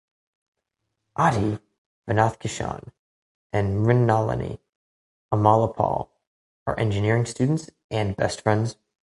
Aadhi (Vinoth Kishan) and Mrinalini (Amala Paul) are engineering students and best friends.